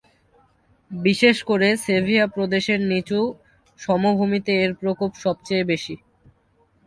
বিশেষ করে সেভিয়া প্রদেশের নিচু সমভূমিতে এর প্রকোপ সবচেয়ে বেশি।